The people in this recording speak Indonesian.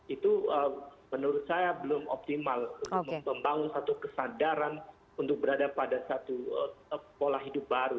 itu menurut saya belum optimal untuk membangun satu kesadaran untuk berada pada satu pola hidup baru